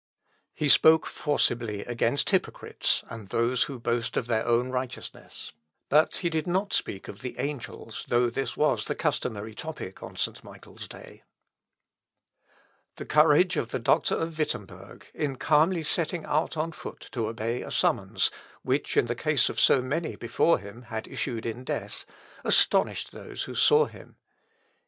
He spoke forcibly against hypocrites, and those who boast of their own righteousness; but he did not speak of the angels, though this was the customary topic on St. Michael's day. The courage of the doctor of Wittemberg, in calmly setting out on foot to obey a summons, which in the case of so many before him had issued in death, astonished those who saw him.